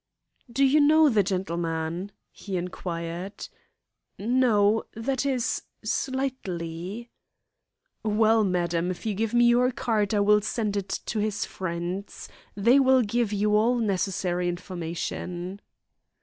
"Do you know the gentleman?" he inquired. "No that is, slightly." "Well, madam, if you give me your card I will send it to his friends. They will give you all necessary information."